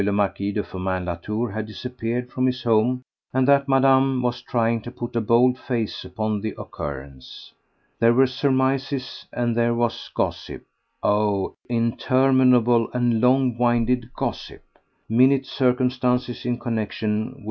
le Marquis de Firmin Latour had disappeared from his home and that Madame was trying to put a bold face upon the occurrence. There were surmises and there was gossip— oh! interminable and long winded gossip! Minute circumstances in connexion with M.